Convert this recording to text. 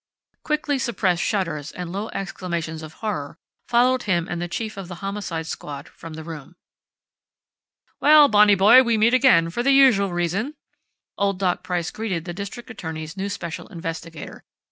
Quickly suppressed shudders and low exclamations of horror followed him and the chief of the Homicide Squad from the room. "Well, Bonnie boy, we meet again, for the usual reason," old Dr. Price greeted the district attorney's new special investigator.